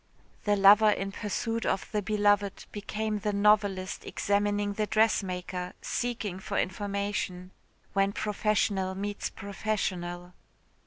The lover in pursuit of the beloved became the novelist examining the dressmaker, seeking for information. When professional meets professional.